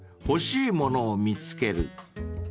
「欲しいものを見つける」］